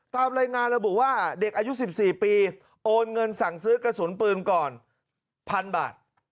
ตามรายงานระบุว่าเด็กอายุ๑๔ปีโอนเงินสั่งซื้อกระสุนปืนก่อนพันบาท